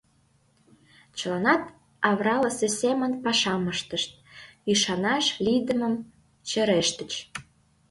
Чыланат авралысе семын пашам ыштышт, ӱшанаш лийдымын чырештыч.